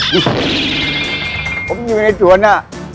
ผมอยู่ในสวนอะ